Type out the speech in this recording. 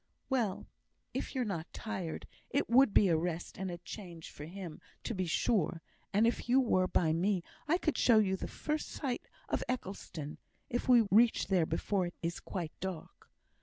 "Well, if you're not tired, it would make a rest and a change for him, to be sure; and if you were by me I could show you the first sight of Eccleston, if we reach there before it is quite dark."